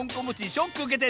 ショックうけてんの？